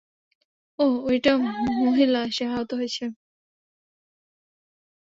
ওহ, ঐটা মহিলা সে আহত হয়েছে।